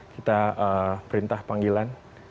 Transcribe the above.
kita perintah panggilan